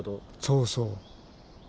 そうそう。